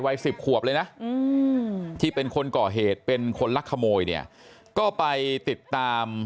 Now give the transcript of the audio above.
๑๐ขวบเลยนะที่เป็นคนก่อเหตุเป็นคนลักขโมยเนี่ยก็ไปติดตาม